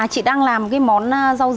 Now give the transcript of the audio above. à chị đang làm cái món rau dấn nộm đấy em